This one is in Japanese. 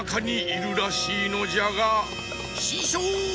ししょう！